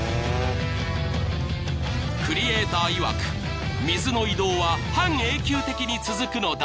［クリエイターいわく水の移動は半永久的に続くのだとか］